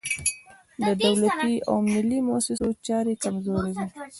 د دولتي او ملي موسسو چارې کمزورې وي.